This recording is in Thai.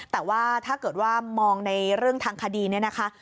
แต่ว่าถ้าเกิดว่ามองในเรื่องทางคดีเนี่ยนะคะ